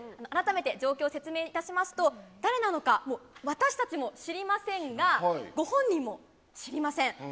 改めて、状況を説明いたしますと、誰なのか、もう私たちも知りませんが、ご本人も知りません。